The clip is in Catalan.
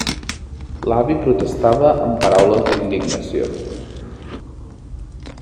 L'avi protestava amb paraules d'indignació.